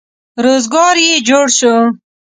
روزګار یې جوړ شو.